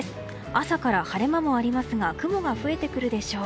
朝から晴れ間もありますが雲が増えてくるでしょう。